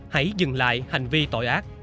hãy dừng lại hành vi tội ác